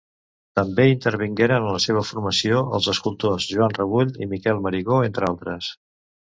També intervingueren en la seva formació els escultors Joan Rebull i Miquel Marigó, entre altres.